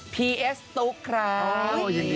ีเอสตุ๊กครับ